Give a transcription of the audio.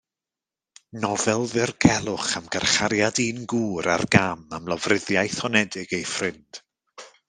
Nofel ddirgelwch am garchariad un gŵr ar gam am lofruddiaeth honedig ei ffrind.